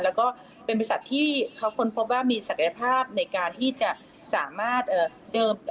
แล้วก็เป็นบริษัทที่เขาค้นพบว่ามีศักยภาพในการที่จะสามารถเดิม